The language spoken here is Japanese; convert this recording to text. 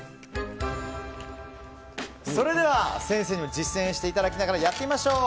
それでは先生にも実践していただきながらやってみましょう。